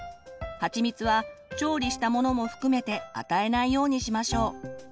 はちみつは調理したものも含めて与えないようにしましょう。